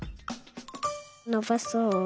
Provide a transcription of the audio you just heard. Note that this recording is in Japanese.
のばそう。